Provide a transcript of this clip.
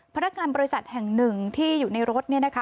พนักการบริษัทแห่งหนึ่งที่อยู่ในรถ